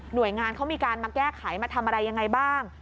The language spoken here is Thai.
โดยงานเขามีการมาแก้ไขมาทำอะไรยังไงบ้าง